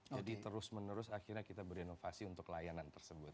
jadi terus menerus kita berinnovasi untuk layanan tersebut